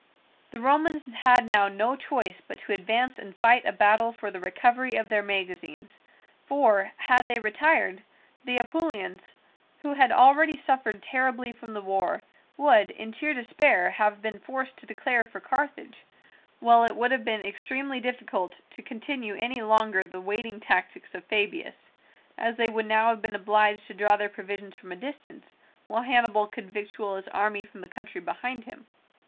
The Romans had now no choice but to advance and fight a battle for the recovery of their magazines, for, had they retired, the Apulians, who had already suffered terribly from the war, would, in sheer despair, have been forced to declare for Carthage, while it would have been extremely difficult to continue any longer the waiting tactics of Fabius, as they would now have been obliged to draw their provisions from a distance, while Hannibal could victual his army from the country behind him.